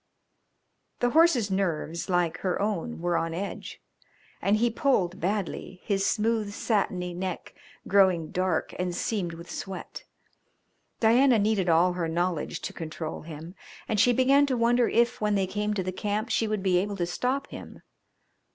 The horse's nerves, like her own, were on edge, and he pulled badly, his smooth satiny neck growing dark and seamed with sweat; Diana needed all her knowledge to control him, and she began to wonder if when they came to the camp she would be able to stop him.